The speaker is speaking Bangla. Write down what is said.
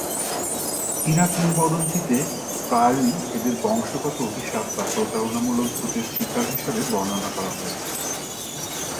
চীনা কিংবদন্তিতে প্রায়ই এদের বংশগত অভিশাপ বা প্রতারণামূলক ভূতের শিকার হিসাবে বর্ণনা করা হয়েছে।